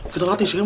kita latih si kemot